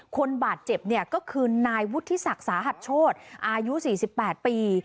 คนบาดเจ็บเนี่ยก็คือนายวุฒิศักดิ์สาหัสโชธอายุ๔๘ปี